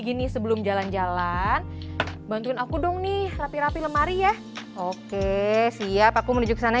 gini sebelum jalan jalan bantuin aku dong nih rapi rapi lemari ya oke siap aku menuju ke sana